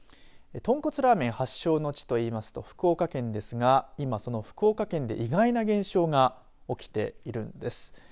豚骨ラーメン発祥の地といいますと福岡県ですが今その福岡県で意外な現象が起きているんです。